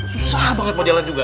susah banget buat jalan juga